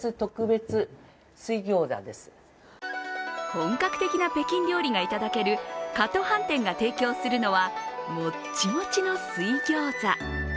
本格的な北京料理がいただける華都飯店が提供するのはもっちもちの水餃子。